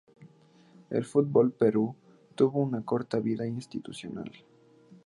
El Foot Ball Perú tuvo una corta vida institucional.